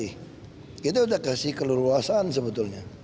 kita sudah kasih keleluasan sebetulnya